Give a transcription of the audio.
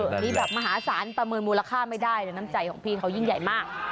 อันนี้แบบมหาศาลประเมินมูลค่าไม่ได้แต่น้ำใจของพี่เขายิ่งใหญ่มาก